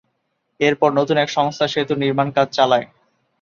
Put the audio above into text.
এর পর নতুন এক সংস্থা সেতুর নির্মাণকাজ চালায়।